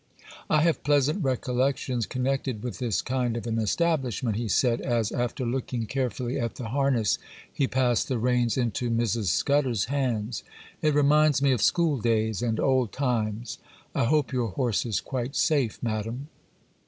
'I have pleasant recollections connected with this kind of an establishment,' he said, as, after looking carefully at the harness, he passed the reins into Mrs. Scudder's hands; 'it reminds me of school days and old times. I hope your horse is quite safe, madam?